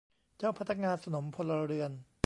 เจ้าพนักงานสนมพลเรือน